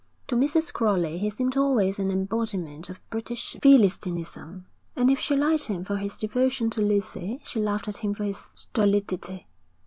To Mrs. Crowley he seemed always an embodiment of British philistinism; and if she liked him for his devotion to Lucy, she laughed at him for his stolidity.